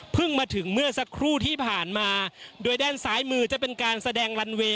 มาถึงเมื่อสักครู่ที่ผ่านมาโดยด้านซ้ายมือจะเป็นการแสดงลันเวย์